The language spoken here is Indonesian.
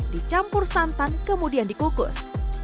dicampur santan kemudian dikukus